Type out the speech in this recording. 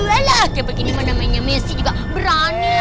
alah kayak begini mah namanya messi juga berani